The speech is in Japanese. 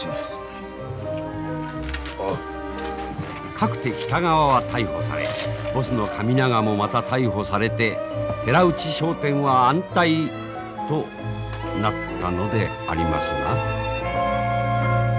かくて北川は逮捕されボスの神永もまた逮捕されて寺内商店は安泰となったのでありますが。